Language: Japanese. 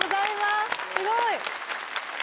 すごい！